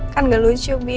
kan gak lucu bi